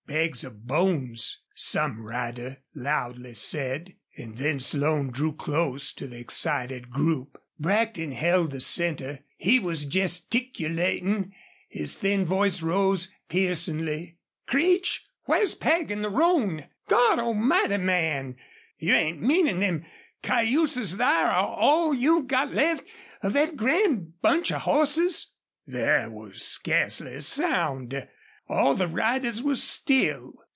"Bags of bones," some rider loudly said. And then Slone drew close to the excited group. Brackton held the center; he was gesticulating; his thin voice rose piercingly. "Creech! Whar's Peg an' the Roan? Gawd Almighty, man! You ain't meanin' them cayuses thar are all you've got left of thet grand bunch of hosses?" There was scarcely a sound. All the riders were still.